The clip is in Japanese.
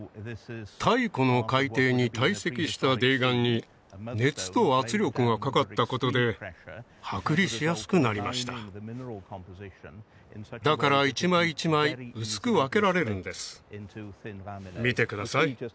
太古の海底に堆積した泥岩に熱と圧力がかかったことで剥離しやすくなりましただから一枚一枚薄く分けられるんです見てください